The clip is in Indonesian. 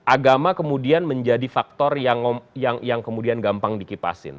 agama kemudian menjadi faktor yang kemudian gampang dikipasin